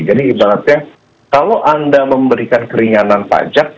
jadi ibaratnya kalau anda memberikan keringanan pajak